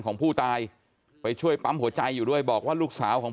ของผู้ตายไปช่วยปั๊มหัวใจอยู่ด้วยบอกว่าลูกสาวของ